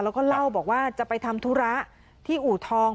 แล้วก็เล่าบอกว่าจะไปทำธุระที่อู่ทอง